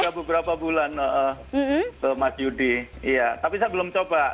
sudah beberapa bulan ke mas yudi iya tapi saya belum coba